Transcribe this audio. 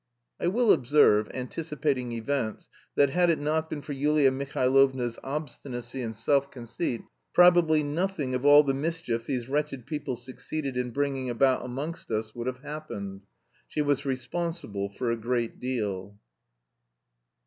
I will observe, anticipating events that, had it not been for Yulia Mihailovna's obstinacy and self conceit, probably nothing of all the mischief these wretched people succeeded in bringing about amongst us would have happened. She was responsible for a great deal.